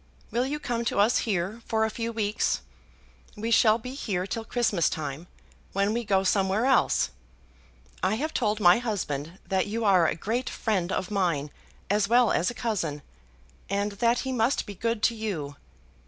Will you come to us here for a few weeks? We shall be here till Christmas time, when we go somewhere else. I have told my husband that you are a great friend of mine as well as a cousin, and that he must be good to you.